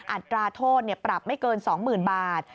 อัตราโทษปรับไม่เกิน๒๐๐๐บาท